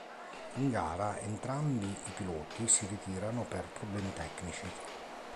In gara entrambi i piloti si ritirarono per problemi tecnici.